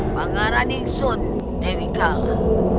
bangaraning sun tewikala